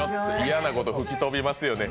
嫌なこと、吹き飛びますよね